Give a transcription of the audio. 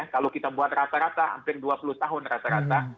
kalau kita buat rata rata hampir dua puluh tahun rata rata